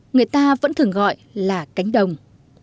người ta vẫn thường gọi là cánh đồng